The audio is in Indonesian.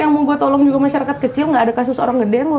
yang mau gue tolong juga masyarakat kecil nggak ada kasus orang ngedemo